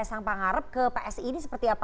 mas kaisang pengharap ke psi ini seperti apa